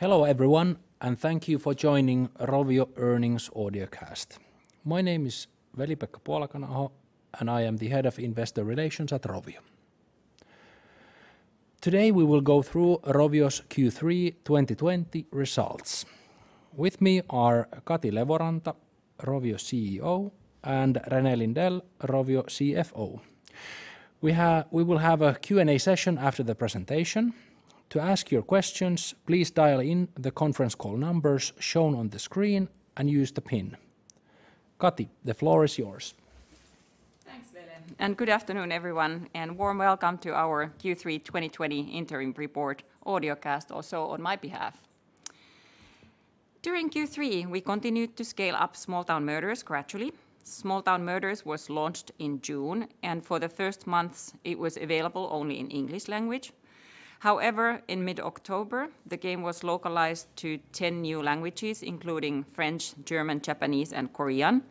Hello everyone, and thank you for joining Rovio earnings audiocast. My name is Veli-Pekka Puolakanaho, and I am the head of investor relations at Rovio. Today we will go through Rovio's Q3 2020 results. With me are Kati Levoranta, Rovio CEO, and René Lindell, Rovio CFO. We will have a Q&A session after the presentation. To ask your questions, please dial in the conference call numbers shown on the screen and use the pin. Kati, the floor is yours. Thanks, Veli. Good afternoon everyone, and warm welcome to our Q3 2020 interim report audiocast also on my behalf. During Q3, we continued to scale up Small Town Murders gradually. Small Town Murders was launched in June, and for the first months it was available only in English language. However, in mid-October the game was localized to 10 new languages including French, German, Japanese and Korean.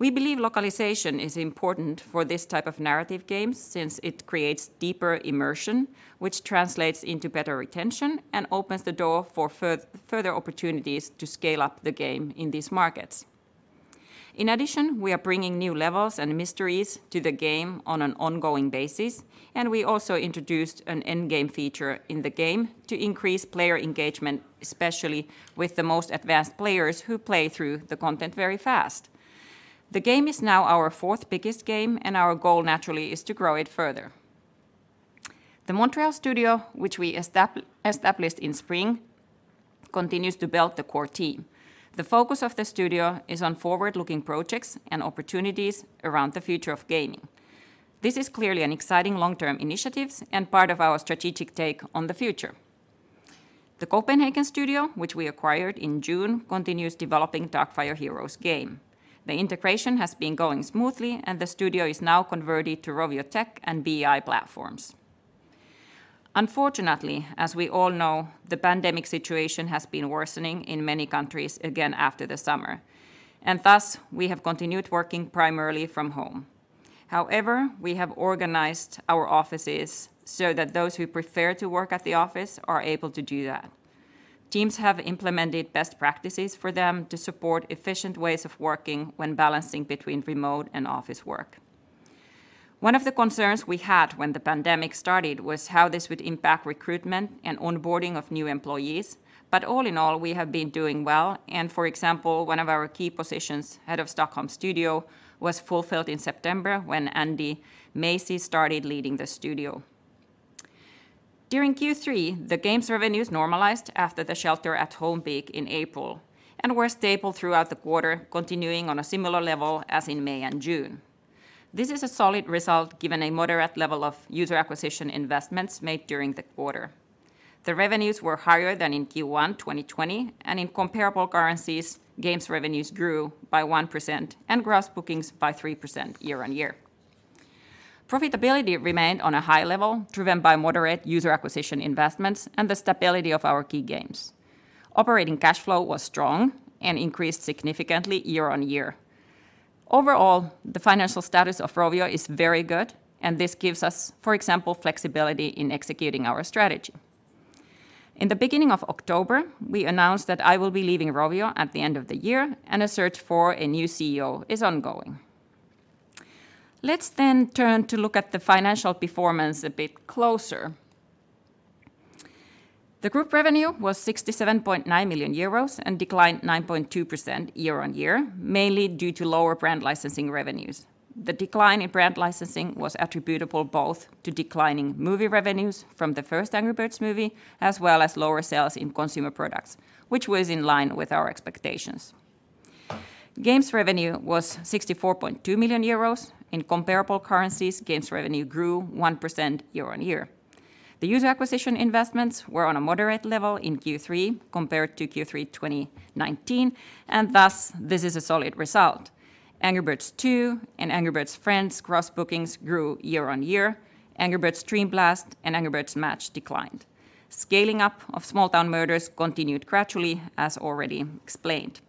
We believe localization is important for this type of narrative games since it creates deeper immersion, which translates into better retention and opens the door for further opportunities to scale up the game in these markets. In addition, we are bringing new levels and mysteries to the game on an ongoing basis, and we also introduced an end game feature in the game to increase player engagement, especially with the most advanced players who play through the content very fast. The game is now our fourth biggest game and our goal naturally is to grow it further. The Montreal studio, which we established in spring, continues to build the core team. The focus of the studio is on forward-looking projects and opportunities around the future of gaming. This is clearly an exciting long-term initiatives and part of our strategic take on the future. The Copenhagen studio, which we acquired in June, continues developing Darkfire Heroes game. The integration has been going smoothly and the studio is now converted to Rovio Tech and BI platforms. Unfortunately, as we all know, the pandemic situation has been worsening in many countries again after the summer, and thus we have continued working primarily from home. However, we have organized our offices so that those who prefer to work at the office are able to do that. Teams have implemented best practices for them to support efficient ways of working when balancing between remote and office work. One of the concerns we had when the pandemic started was how this would impact recruitment and onboarding of new employees, but all in all, we have been doing well and for example, one of our key positions, Head of Stockholm Studio, was fulfilled in September when Andy Muesse started leading the studio. During Q3, the games revenues normalized after the shelter at home peak in April, and were stable throughout the quarter, continuing on a similar level as in May and June. This is a solid result given a moderate level of user acquisition investments made during the quarter. The revenues were higher than in Q1 2020, and in comparable currencies, games revenues grew by 1% and gross bookings by 3% year-on-year. Profitability remained on a high level, driven by moderate user acquisition investments and the stability of our key games. Operating cash flow was strong and increased significantly year-over-year. Overall, the financial status of Rovio is very good, and this gives us, for example, flexibility in executing our strategy. In the beginning of October, we announced that I will be leaving Rovio at the end of the year and a search for a new CEO is ongoing. Let's turn to look at the financial performance a bit closer. The group revenue was 67.9 million euros and declined 9.2% year-over-year, mainly due to lower brand licensing revenues. The decline in brand licensing was attributable both to declining movie revenues from the first Angry Birds movie, as well as lower sales in consumer products, which was in line with our expectations. Games revenue was 64.2 million euros. In comparable currencies, games revenue grew 1% year-on-year. The user acquisition investments were on a moderate level in Q3 compared to Q3 2019, and thus this is a solid result. Angry Birds 2 and Angry Birds Friends gross bookings grew year-on-year. Angry Birds Dream Blast and Angry Birds Match declined. Scaling up of Small Town Murders continued gradually as already explained.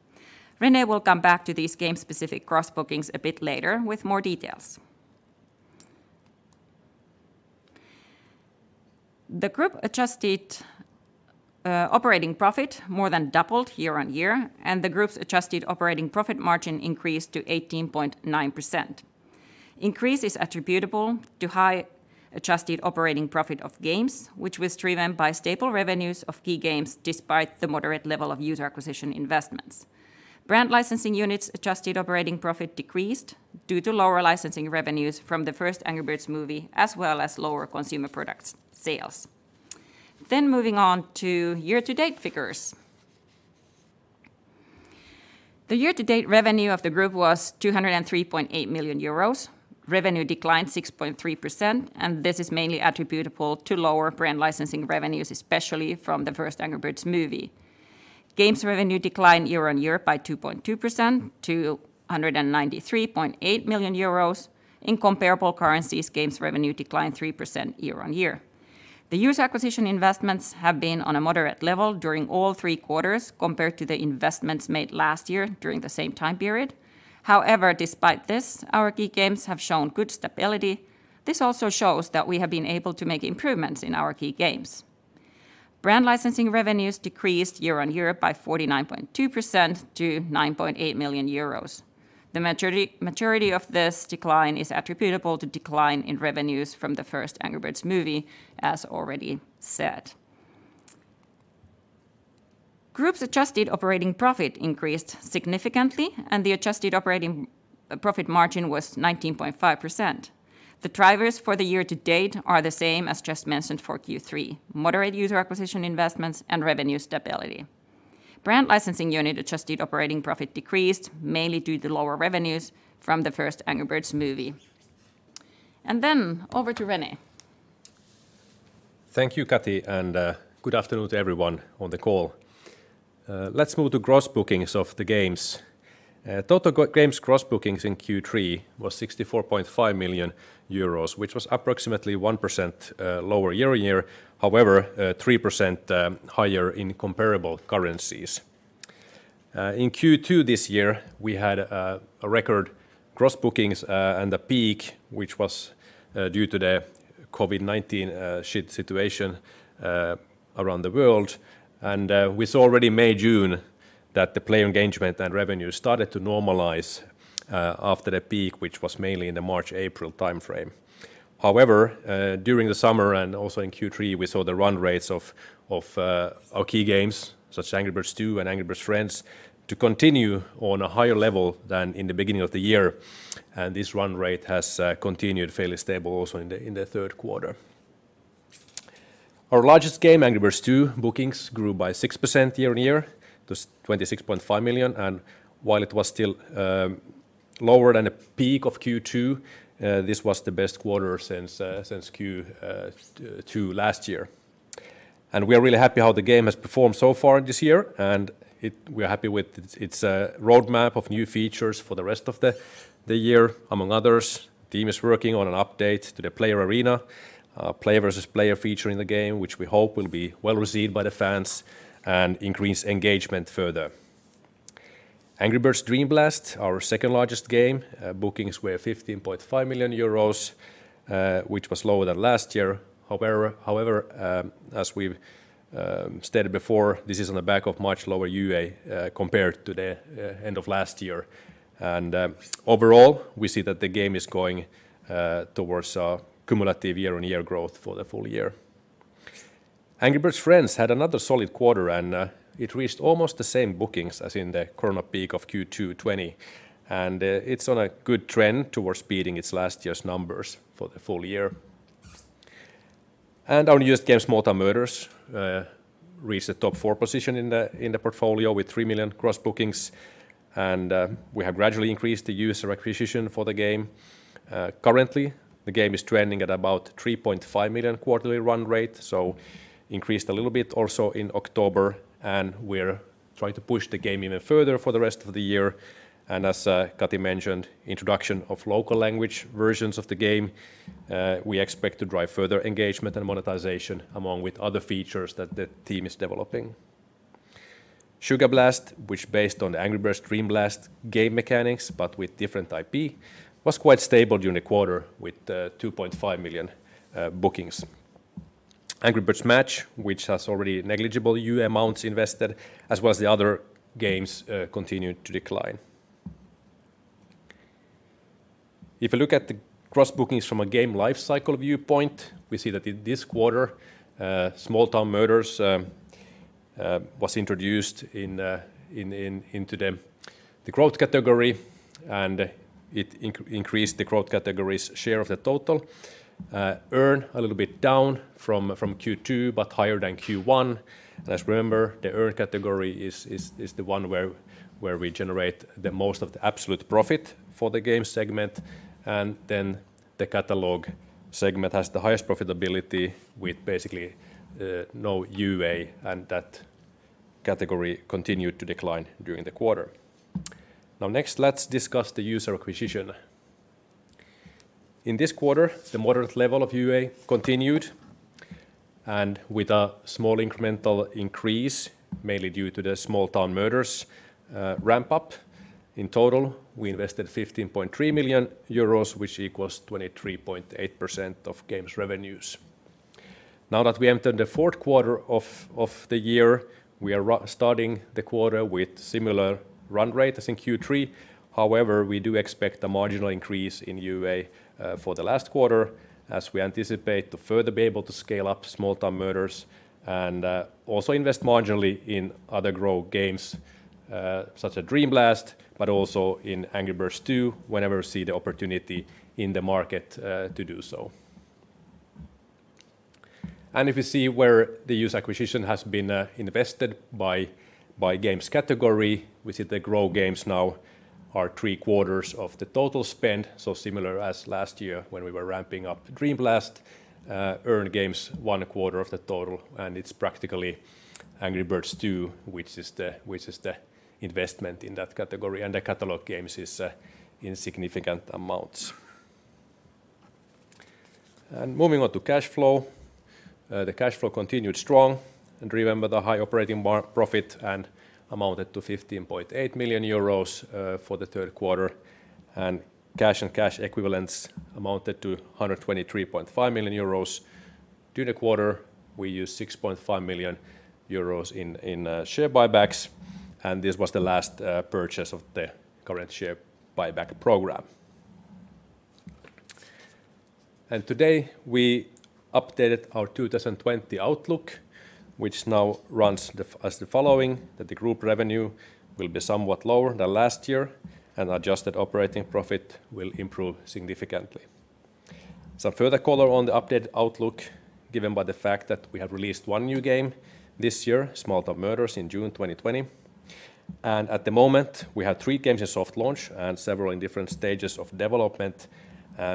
René will come back to these game specific gross bookings a bit later with more details. The group adjusted operating profit more than doubled year-on-year and the group's adjusted operating profit margin increased to 18.9%. Increase is attributable to high adjusted operating profit of games, which was driven by stable revenues of key games despite the moderate level of user acquisition investments. Brand licensing units adjusted operating profit decreased due to lower licensing revenues from the first Angry Birds movie, as well as lower consumer products sales. Moving on to year-to-date figures. The year-to-date revenue of the group was 203.8 million euros. Revenue declined 6.3%, and this is mainly attributable to lower brand licensing revenues, especially from the first Angry Birds movie. Games revenue declined year-on-year by 2.2% to 193.8 million euros. In comparable currencies, games revenue declined 3% year-on-year. The user acquisition investments have been on a moderate level during all three quarters compared to the investments made last year during the same time period. However, despite this, our key games have shown good stability. This also shows that we have been able to make improvements in our key games. Brand licensing revenues decreased year-on-year by 49.2% to 9.8 million euros. The majority of this decline is attributable to decline in revenues from the first Angry Birds movie, as already said. Group's adjusted operating profit increased significantly, and the adjusted operating profit margin was 19.5%. The drivers for the year to date are the same as just mentioned for Q3, moderate user acquisition investments and revenue stability. Brand licensing unit adjusted operating profit decreased mainly due to the lower revenues from the first Angry Birds movie. Over to René. Thank you, Kati. Good afternoon to everyone on the call. Let's move to gross bookings of the games. Total games gross bookings in Q3 was 64.5 million euros, which was approximately 1% lower year-on-year, however, 3% higher in comparable currencies. In Q2 this year, we had a record gross bookings and a peak, which was due to the COVID-19 situation around the world. We saw already May, June that the play engagement and revenue started to normalize after the peak, which was mainly in the March, April timeframe. However, during the summer and also in Q3, we saw the run rates of our key games, such as Angry Birds 2 and Angry Birds Friends, to continue on a higher level than in the beginning of the year. This run rate has continued fairly stable also in the third quarter. Our largest game, Angry Birds 2 bookings grew by 6% year-on-year to 26.5 million, and while it was still lower than the peak of Q2, this was the best quarter since Q2 last year. We are really happy how the game has performed so far this year, and we're happy with its roadmap of new features for the rest of the year. Among others, team is working on an update to the player arena, player versus player feature in the game, which we hope will be well received by the fans and increase engagement further. Angry Birds Dream Blast, our second-largest game, bookings were 15.5 million euros, which was lower than last year. However, as we've stated before, this is on the back of much lower UA compared to the end of last year. Overall, we see that the game is going towards cumulative year-on-year growth for the full year. Angry Birds Friends had another solid quarter, and it reached almost the same bookings as in the corona peak of Q2 2020. It's on a good trend towards beating its last year's numbers for the full year. Our newest game, Small Town Murders, reached the top four position in the portfolio with 3 million gross bookings, and we have gradually increased the user acquisition for the game. Currently, the game is trending at about 3.5 million quarterly run rate, so increased a little bit also in October, and we're trying to push the game even further for the rest of the year. As Kati mentioned, introduction of local language versions of the game, we expect to drive further engagement and monetization, along with other features that the team is developing. Sugar Blast, which based on the Angry Birds Dream Blast game mechanics but with different IP, was quite stable during the quarter with 2.5 million bookings. Angry Birds Match, which has already negligible UA amounts invested, as well as the other games, continued to decline. If you look at the gross bookings from a game life cycle viewpoint, we see that in this quarter, Small Town Murders was introduced into the growth category, and it increased the growth category's share of the total. Earn a little bit down from Q2 but higher than Q1. Let's remember, the earn category is the one where we generate the most of the absolute profit for the game segment. The catalog segment has the highest profitability with basically no UA, and that category continued to decline during the quarter. Next, let's discuss the user acquisition. In this quarter, the moderate level of UA continued, and with a small incremental increase, mainly due to the Small Town Murders ramp up. In total, we invested 15.3 million euros, which equals 23.8% of games revenues. Now that we entered the fourth quarter of the year, we are starting the quarter with similar run rate as in Q3. However, we do expect a marginal increase in UA for the last quarter as we anticipate to further be able to scale up Small Town Murders and also invest marginally in other grow games, such as Dream Blast, but also in Angry Birds 2 whenever we see the opportunity in the market to do so. If you see where the user acquisition has been invested by games category, we see the grow games now are three-quarters of the total spend, similar as last year when we were ramping up Dream Blast. Earn games, one quarter of the total, and it's practically Angry Birds 2, which is the investment in that category, and the catalog games is insignificant amounts. Moving on to cash flow. The cash flow continued strong, and remember the high operating profit and amounted to 15.8 million euros for the third quarter, and cash and cash equivalents amounted to 123.5 million euros. During the quarter, we used 6.5 million euros in share buybacks, and this was the last purchase of the current share buyback program. Today we updated our 2020 outlook, which now runs as the following, that the group revenue will be somewhat lower than last year, and adjusted operating profit will improve significantly. Some further color on the updated outlook given by the fact that we have released one new game this year, Small Town Murders in June 2020. At the moment, we have three games in soft launch and several in different stages of development.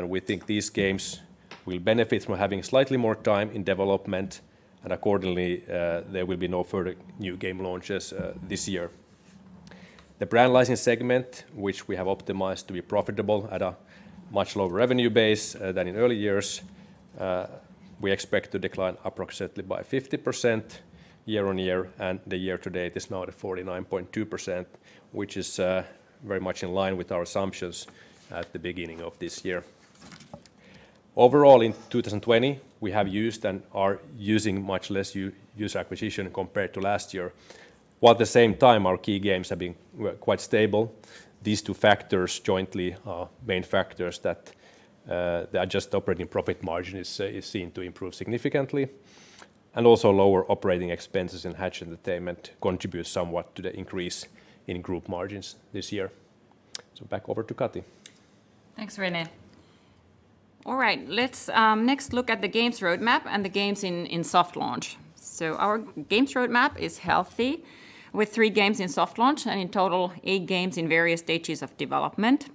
We think these games will benefit from having slightly more time in development, and accordingly, there will be no further new game launches this year. The brand licensing segment, which we have optimized to be profitable at a much lower revenue base than in early years, we expect to decline approximately by 50% year-over-year, and the year to date is now at 49.2%, which is very much in line with our assumptions at the beginning of this year. In 2020, we have used and are using much less user acquisition compared to last year, while at the same time, our key games have been quite stable. These two factors jointly are main factors that the adjusted operating profit margin is seen to improve significantly, and also lower operating expenses in Hatch Entertainment contributes somewhat to the increase in group margins this year. Back over to Kati. Thanks, René. All right. Let's next look at the games roadmap and the games in soft launch. Our games roadmap is healthy with three games in soft launch and in total, eight games in various stages of development.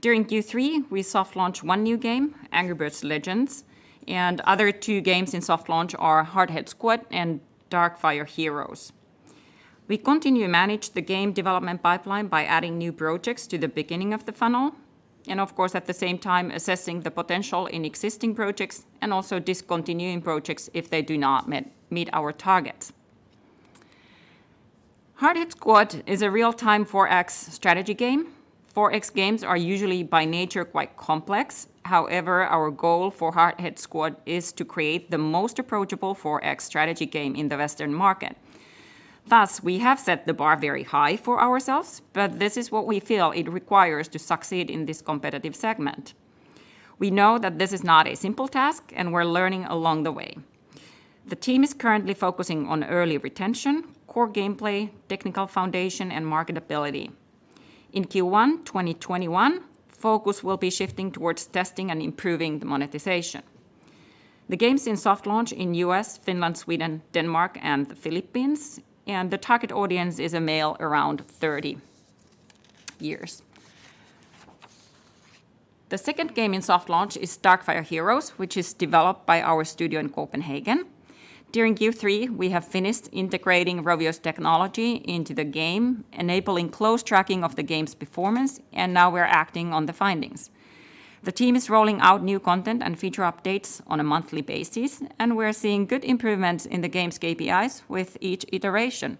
During Q3, we soft launched one new game, Angry Birds Legends, and other two games in soft launch are Hardhead Squad and Darkfire Heroes. We continue to manage the game development pipeline by adding new projects to the beginning of the funnel, and of course, at the same time, assessing the potential in existing projects and also discontinuing projects if they do not meet our targets. Hardhead Squad is a real-time 4X strategy game. 4X games are usually by nature quite complex. However, our goal for Hardhead Squad is to create the most approachable 4X strategy game in the Western market. We have set the bar very high for ourselves, but this is what we feel it requires to succeed in this competitive segment. We know that this is not a simple task, and we're learning along the way. The team is currently focusing on early retention, core gameplay, technical foundation, and marketability. In Q1 2021, focus will be shifting towards testing and improving the monetization. The game's in soft launch in U.S., Finland, Sweden, Denmark, and the Philippines, and the target audience is a male around 30 years. The second game in soft launch is Darkfire Heroes, which is developed by our studio in Copenhagen. During Q3, we have finished integrating Rovio's technology into the game, enabling close tracking of the game's performance, and now we're acting on the findings. The team is rolling out new content and feature updates on a monthly basis, and we're seeing good improvements in the game's KPIs with each iteration.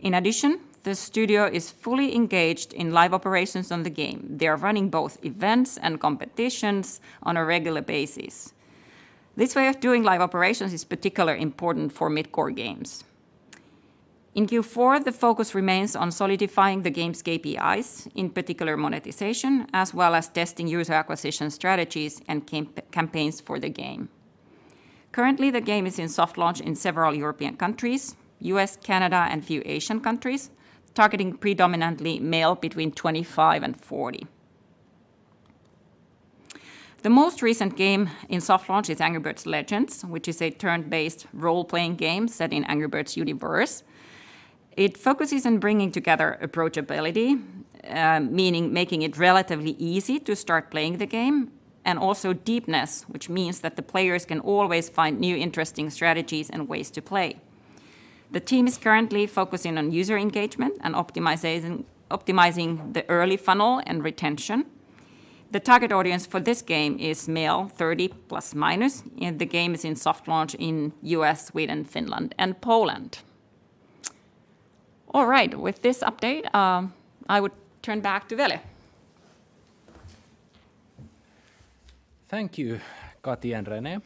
In addition, the studio is fully engaged in live operations on the game. They are running both events and competitions on a regular basis. This way of doing live operations is particularly important for mid-core games. In Q4, the focus remains on solidifying the game's KPIs, in particular monetization, as well as testing user acquisition strategies and campaigns for the game. Currently, the game is in soft launch in several European countries, U.S., Canada, and a few Asian countries, targeting predominantly male between 25 and 40. The most recent game in soft launch is Angry Birds Legends, which is a turn-based role-playing game set in Angry Birds universe. It focuses on bringing together approachability, meaning making it relatively easy to start playing the game, and also deepness, which means that the players can always find new interesting strategies and ways to play. The team is currently focusing on user engagement and optimizing the early funnel and retention. The target audience for this game is male, 30 plus minus, and the game is in soft launch in U.S., Sweden, Finland, and Poland. All right. With this update, I would turn back to Veli. Thank you, Kati and René.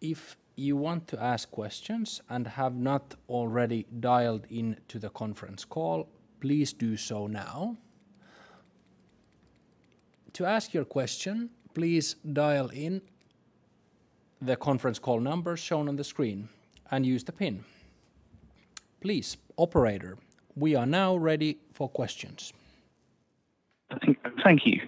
If you want to ask questions and have not already dialed into the conference call, please do so now. To ask your question, please dial in the conference call number shown on the screen and use the pin. Please, Operator, we are now ready for questions. Thank you.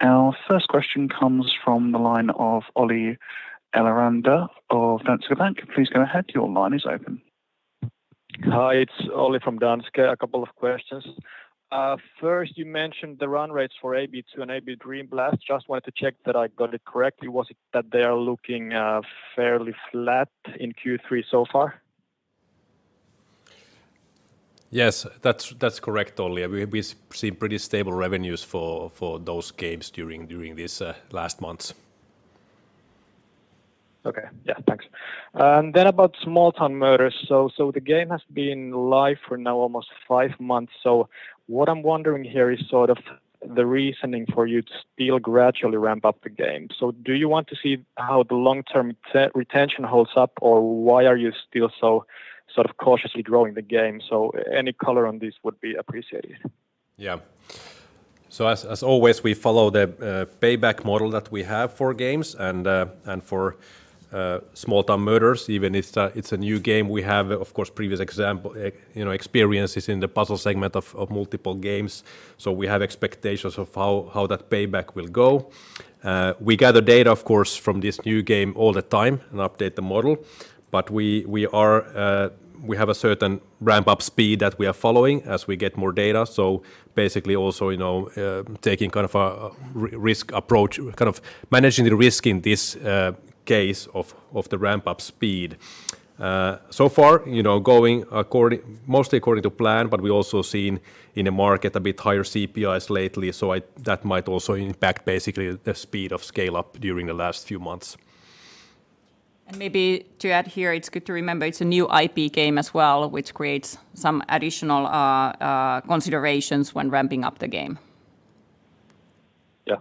Our first question comes from the line of Olli Eloranta of Danske Bank. Please go ahead. Your line is open. Hi, it's Olli from Danske. A couple of questions. First, you mentioned the run rates for AB 2 and AB Dream Blast. Just wanted to check that I got it correctly. Was it that they are looking fairly flat in Q3 so far? Yes, that's correct, Olli. We've seen pretty stable revenues for those games during these last months. Okay. Yeah, thanks. About Small Town Murders. The game has been live for now almost five months, so what I am wondering here is the reasoning for you to still gradually ramp up the game. Do you want to see how the long-term retention holds up, or why are you still so cautiously growing the game? Any color on this would be appreciated. Yeah. As always, we follow the payback model that we have for games and for Small Town Murders. Even if it's a new game, we have, of course, previous experiences in the puzzle segment of multiple games. We have expectations of how that payback will go. We gather data, of course, from this new game all the time and update the model. We have a certain ramp-up speed that we are following as we get more data. Basically also taking kind of a risk approach, managing the risk in this case of the ramp-up speed. Far, going mostly according to plan. We also seen in the market a bit higher CPIs lately. That might also impact basically the speed of scale-up during the last few months. Maybe to add here, it's good to remember it's a new IP game as well, which creates some additional considerations when ramping up the game.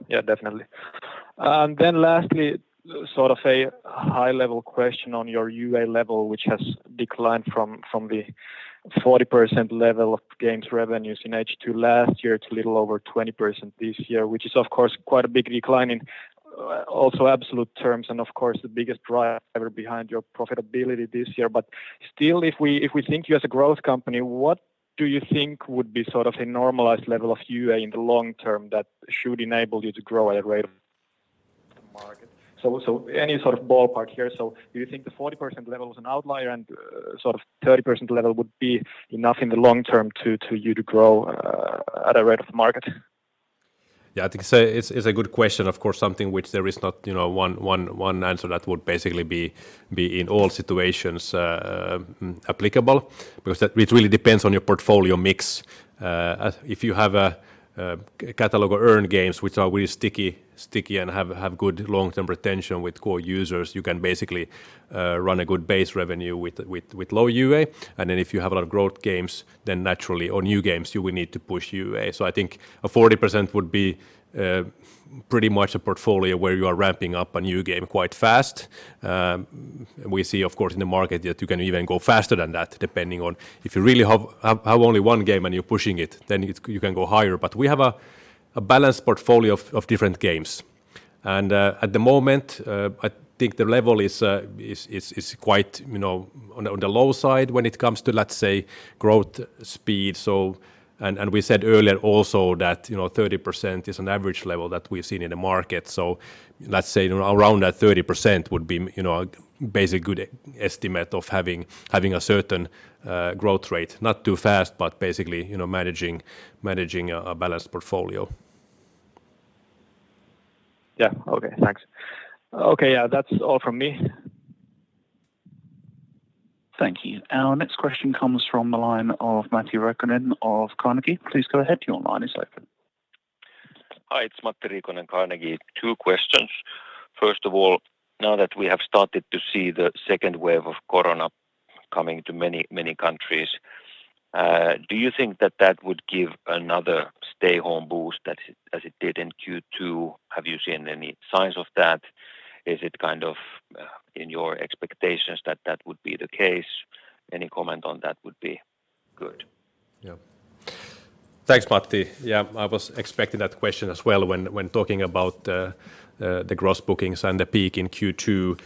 Yeah, definitely. Lastly, sort of a high-level question on your UA level, which has declined from the 40% level of games revenues in H2 last year to a little over 20% this year, which is of course quite a big decline in also absolute terms and of course the biggest driver behind your profitability this year. Still, if we think you as a growth company, what do you think would be sort of a normalized level of UA in the long term that should enable you to grow at a rate of the market? Any sort of ballpark here. Do you think the 40% level is an outlier and 30% level would be enough in the long term to you to grow at a rate of the market? Yeah, I think it's a good question. Of course, something which there is not one answer that would basically be in all situations applicable, because it really depends on your portfolio mix. If you have a catalog of earn games, which are really sticky and have good long-term retention with core users, you can basically run a good base revenue with low UA. If you have a lot of growth games, then naturally, or new games, you will need to push UA. I think a 40% would be pretty much a portfolio where you are ramping up a new game quite fast. We see, of course, in the market that you can even go faster than that, depending on if you really have only one game and you're pushing it, then you can go higher. We have a balanced portfolio of different games. At the moment, I think the level is quite on the low side when it comes to, let's say, growth speed. We said earlier also that 30% is an average level that we've seen in the market. Let's say around that 30% would be a basic good estimate of having a certain growth rate. Not too fast, but basically managing a balanced portfolio. Yeah. Okay, thanks. Okay, that's all from me. Thank you. Our next question comes from the line of Matti Riikonen of Carnegie. Please go ahead, your line is open. Hi, it's Matti Riikonen, Carnegie. Two questions. First of all, now that we have started to see the second wave of COVID coming to many countries, do you think that that would give another stay-home boost as it did in Q2? Have you seen any signs of that? Is it kind of in your expectations that that would be the case? Any comment on that would be good. Thanks, Matti. I was expecting that question as well when talking about the gross bookings and the peak in Q2.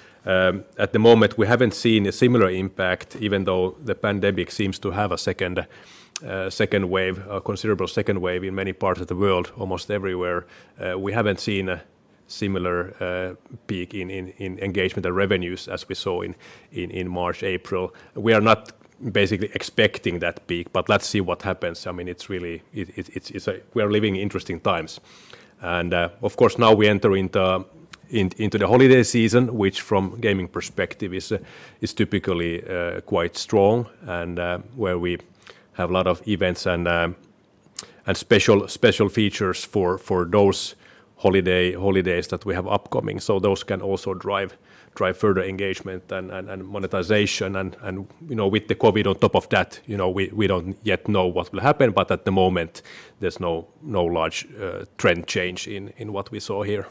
At the moment, we haven't seen a similar impact, even though the pandemic seems to have a considerable second wave in many parts of the world, almost everywhere. We haven't seen a similar peak in engagement and revenues as we saw in March, April. We are not basically expecting that peak, but let's see what happens. I mean, we are living in interesting times. Of course, now we enter into the holiday season, which from gaming perspective is typically quite strong and where we have a lot of events and special features for those holidays that we have upcoming. Those can also drive further engagement and monetization. With the COVID on top of that, we don't yet know what will happen, but at the moment, there's no large trend change in what we saw here.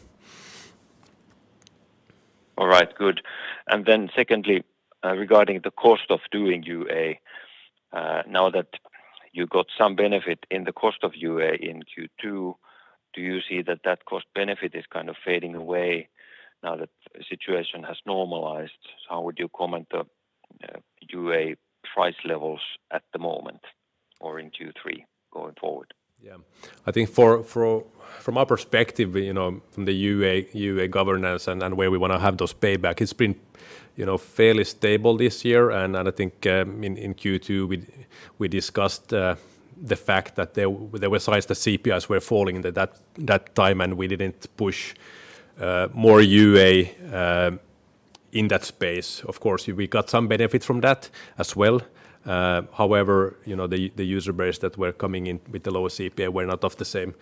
All right, good. Secondly, regarding the cost of doing UA, now that you got some benefit in the cost of UA in Q2, do you see that that cost benefit is kind of fading away now that the situation has normalized? How would you comment the UA price levels at the moment or in Q3 going forward? Yeah. I think from our perspective, from the UA governance and where we want to have those payback, it's been fairly stable this year. I think in Q2, we discussed the fact that there were signs the CPIs were falling at that time, and we didn't push more UA in that space. Of course, we got some benefit from that as well. However, the user base that were coming in with the lower CPI were not of the same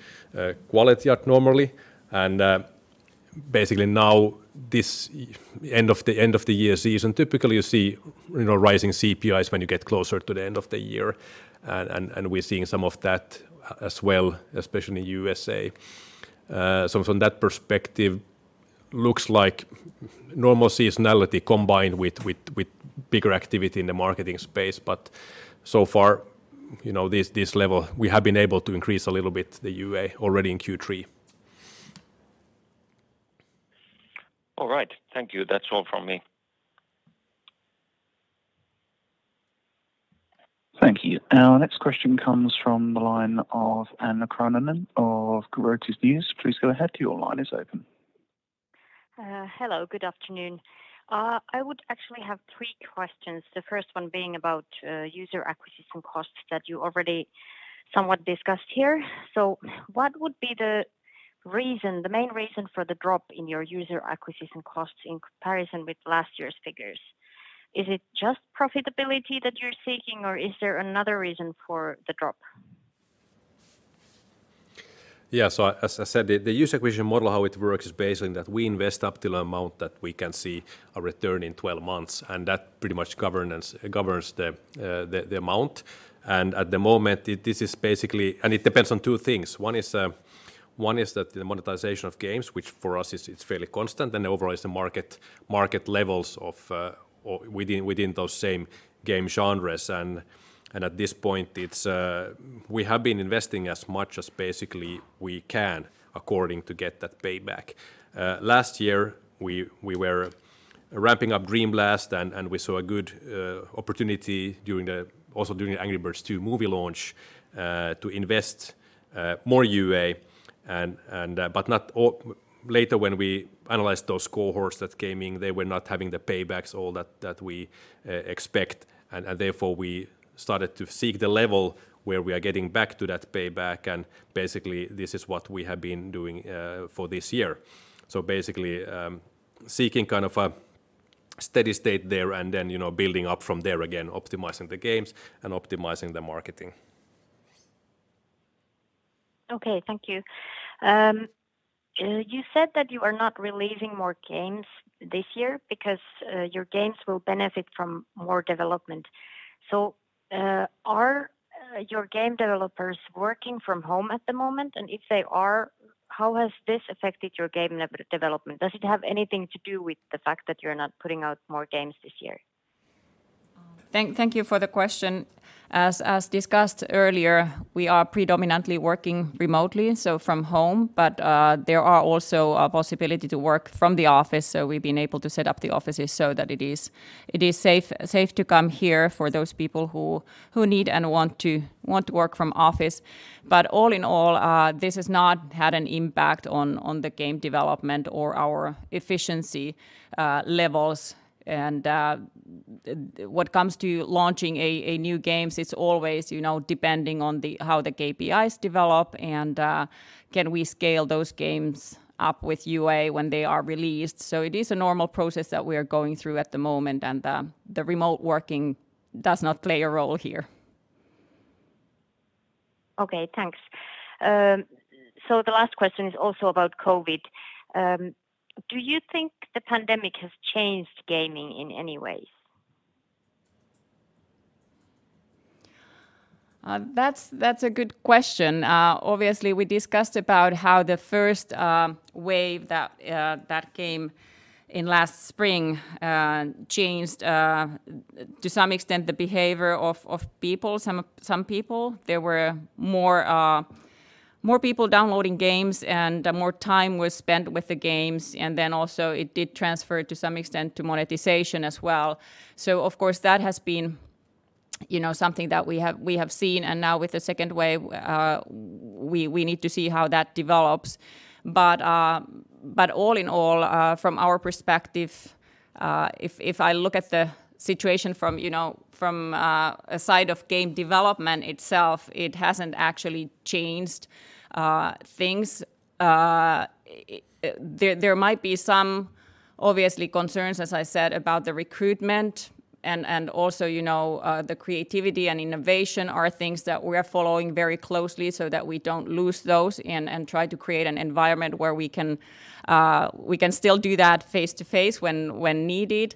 quality as normally. Basically now, this end of the year season, typically you see rising CPIs when you get closer to the end of the year. We're seeing some of that as well, especially in the U.S. From that perspective, looks like normal seasonality combined with bigger activity in the marketing space. So far, this level, we have been able to increase a little bit the UA already in Q3. All right. Thank you. That's all from me. Thank you. Our next question comes from the line of Anne Kauranen of Reuters News. Please go ahead, your line is open. Hello, good afternoon. I would actually have three questions, the first one being about user acquisition costs that you already somewhat discussed here. What would be the main reason for the drop in your user acquisition costs in comparison with last year's figures? Is it just profitability that you're seeking or is there another reason for the drop? Yeah. As I said, the user acquisition model, how it works is basically that we invest up to the amount that we can see a return in 12 months, and that pretty much governs the amount. At the moment, and it depends on two things. One is that the monetization of games, which for us is fairly constant, and overall is the market levels within those same game genres. At this point, we have been investing as much as basically we can according to get that payback. Last year, we were ramping up Dream Blast, and we saw a good opportunity also during the Angry Birds 2 movie launch, to invest more UA. Later when we analyzed those cohorts that came in, they were not having the paybacks all that we expect. Therefore, we started to seek the level where we are getting back to that payback, and basically this is what we have been doing for this year. Basically, seeking a steady state there and then building up from there again, optimizing the games and optimizing the marketing. Okay, thank you. You said that you are not releasing more games this year because your games will benefit from more development. Are your game developers working from home at the moment? If they are, how has this affected your game development? Does it have anything to do with the fact that you're not putting out more games this year? Thank you for the question. As discussed earlier, we are predominantly working remotely, so from home, but there are also a possibility to work from the office. We've been able to set up the offices so that it is safe to come here for those people who need and want to work from office. All in all, this has not had an impact on the game development or our efficiency levels. What comes to launching a new game, it's always depending on how the KPIs develop and can we scale those games up with UA when they are released. It is a normal process that we are going through at the moment, and the remote working does not play a role here. Okay, thanks. The last question is also about COVID. Do you think the pandemic has changed gaming in any way? That's a good question. Obviously, we discussed about how the first wave that came in last spring changed, to some extent, the behavior of some people. There were more people downloading games and more time was spent with the games, and then also it did transfer to some extent to monetization as well. Of course, that has been something that we have seen, and now with the second wave, we need to see how that develops. All in all, from our perspective, if I look at the situation from a side of game development itself, it hasn't actually changed things. There might be some obviously concerns, as I said, about the recruitment and also the creativity and innovation are things that we are following very closely so that we don't lose those and try to create an environment where we can still do that face-to-face when needed.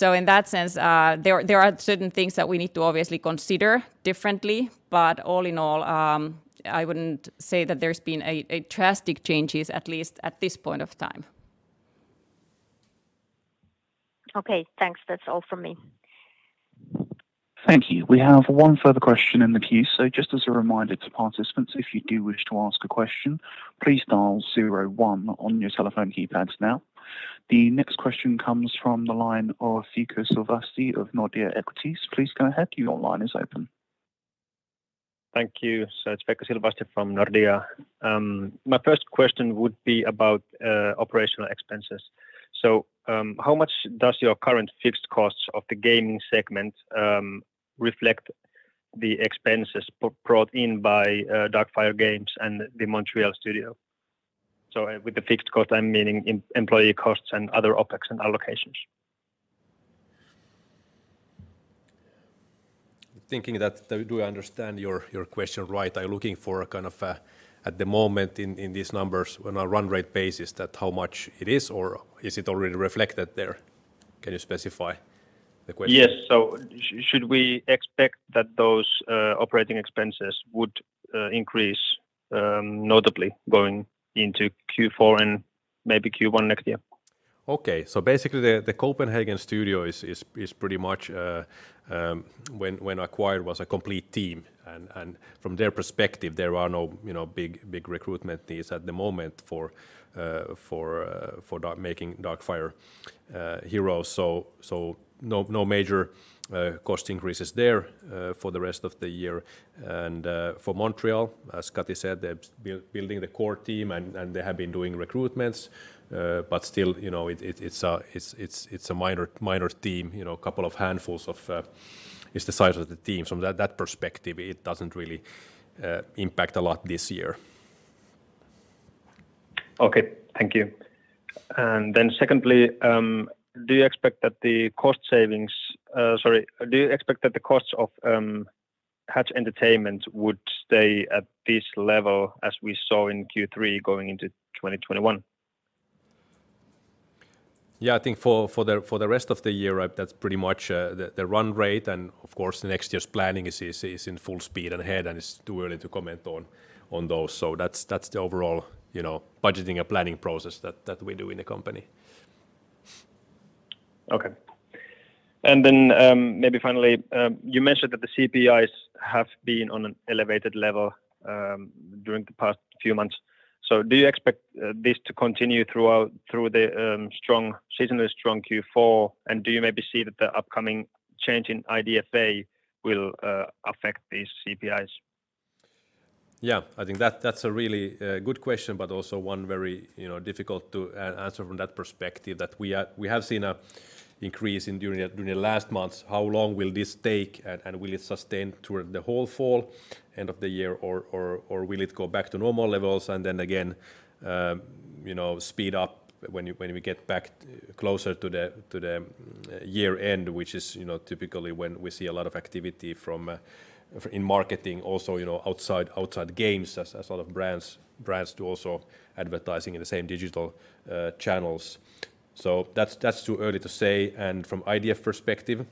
In that sense, there are certain things that we need to obviously consider differently. All in all, I wouldn't say that there's been drastic changes, at least at this point of time. Okay, thanks. That's all from me. Thank you. We have one further question in the queue. Just as a reminder to participants, if you do wish to ask a question, please dial zero one on your telephone keypads now. The next question comes from the line of Veikko Silvasti of Nordea Equities. Please go ahead, your line is open. Thank you, sir. It's Veikko Silvasti from Nordea. My first question would be about operational expenses. How much does your current fixed costs of the gaming segment reflect the expenses brought in by Darkfire Games and the Montreal studio? With the fixed cost, I'm meaning employee costs and other OPEX and allocations. Thinking that, do I understand your question right? Are you looking for, at the moment in these numbers on a run rate basis, how much it is, or is it already reflected there? Can you specify the question? Yes. Should we expect that those operating expenses would increase notably going into Q4 and maybe Q1 next year? Okay. Basically, the Copenhagen studio is pretty much, when acquired, was a complete team. From their perspective, there are no big recruitment needs at the moment for making Darkfire Heroes. No major cost increases there for the rest of the year. For Montreal, as Kati said, they're building the core team, and they have been doing recruitments. Still, it's a minor team, a couple of handfuls is the size of the team. From that perspective, it doesn't really impact a lot this year. Okay. Thank you. Secondly, do you expect that the costs of Hatch Entertainment would stay at this level as we saw in Q3 going into 2021? Yeah, I think for the rest of the year, that's pretty much the run rate. Of course, next year's planning is in full speed ahead, and it's too early to comment on those. That's the overall budgeting and planning process that we do in the company. Okay. Maybe finally, you mentioned that the CPIs have been on an elevated level during the past few months. Do you expect this to continue through the seasonally strong Q4, and do you maybe see that the upcoming change in IDFA will affect these CPIs? Yeah, I think that's a really good question, but also one very difficult to answer from that perspective that we have seen an increase during the last months. How long will this take, and will it sustain toward the whole fall, end of the year, or will it go back to normal levels and then again speed up when we get back closer to the year-end, which is typically when we see a lot of activity in marketing also outside games as a lot of brands do also advertising in the same digital channels. That's too early to say. From IDFA perspective,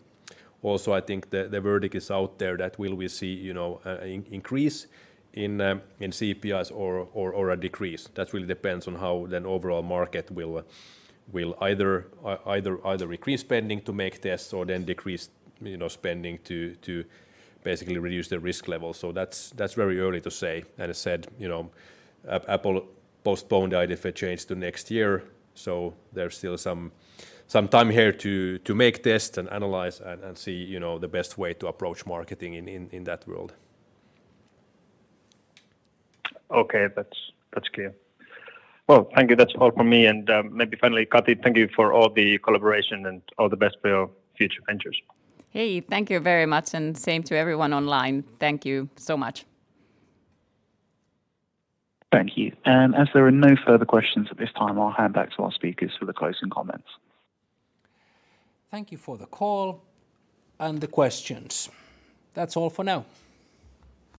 also, I think the verdict is out there that will we see an increase in CPIs or a decrease. That really depends on how then overall market will either increase spending to make tests or then decrease spending to basically reduce their risk level. That's very early to say. As said, Apple postponed IDFA change to next year. There's still some time here to make tests and analyze and see the best way to approach marketing in that world. Okay. That's clear. Well, thank you. That's all from me. Maybe finally, Kati, thank you for all the collaboration and all the best for your future ventures. Hey, thank you very much, and same to everyone online. Thank you so much. Thank you. As there are no further questions at this time, I'll hand back to our speakers for the closing comments. Thank you for the call and the questions. That's all for now.